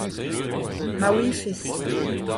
Ma ouifes.